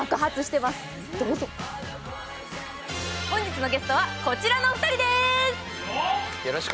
本日のゲストは、こちらのお二人です。